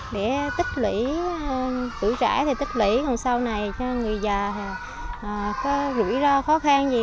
để tích lũy tuổi trẻ thì tích lũy còn sau này cho người già thì có rủi ro khó khăn gì